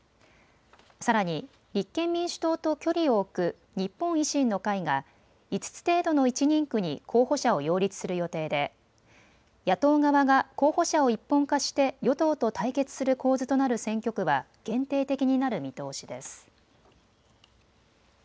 さらに立憲民主党と距離を置く日本維新の会が５つ程度の１人区に候補者を擁立する予定で野党側が候補者を一本化して与党と対決する構図となる選挙区は限定的になる見通しです。